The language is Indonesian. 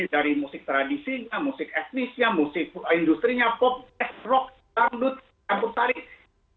dari musik tradisinya musik etnisnya musik industri nya pop rock kandut kampung tarik